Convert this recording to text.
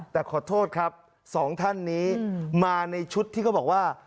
แต่ขอโทษครับสองท่านนี้มาในชุดที่เขาบอกว่า